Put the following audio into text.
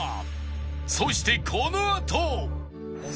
そしてこのあと